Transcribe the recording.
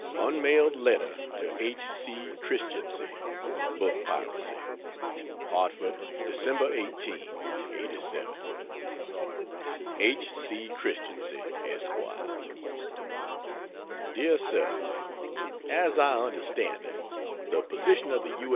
Unmailed Letter to H. C. Christiancy, on book Piracy: HARTFORD, Dec. 18, '87. H. C. CHRISTIANCY, ESQ. DEAR SIR, As I understand it, the position of the U.